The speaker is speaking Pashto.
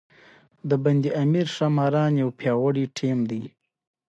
د بند امیر ښاماران یو پیاوړی ټیم دی.